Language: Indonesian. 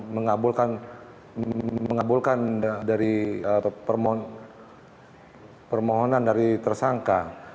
mengabulkan permohonan dari tersangka